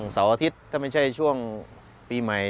เสาร์อาทิตย์ถ้าไม่ใช่ช่วงปีใหม่